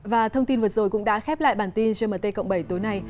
và thông tin vừa rồi cũng đã khép lại bản tin gmt cộng bảy tối nay